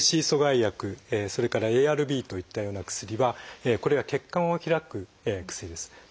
「ＡＣＥ阻害薬」それから「ＡＲＢ」といったような薬はこれは血管を開く薬です。